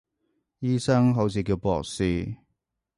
醫生好似叫博士